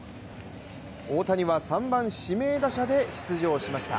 大谷は３番・指名打者で出場しました。